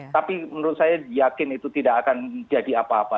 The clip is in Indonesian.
tapi menurut saya yakin itu tidak akan jadi apa apa